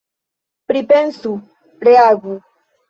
Pripensu, reagu.